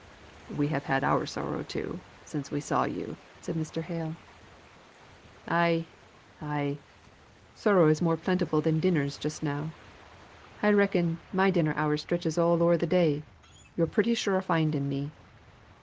"We have had our sorrows too, since we saw you," said Mr. Hale. "Ay, ay. Sorrows is more plentiful than dinners just now; I reckon, my dinner hour stretches all o'er the day; yo're pretty sure of finding me."